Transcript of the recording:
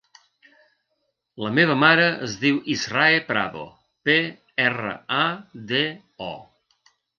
La meva mare es diu Israe Prado: pe, erra, a, de, o.